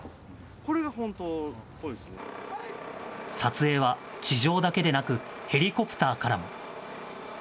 撮影は地上だけでなく、ヘリコプターからも。